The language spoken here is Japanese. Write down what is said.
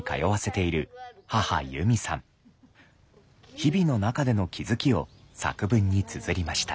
日々の中での気付きを作文につづりました。